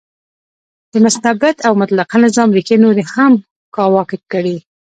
د مستبد او مطلقه نظام ریښې نورې هم کاواکه کړې.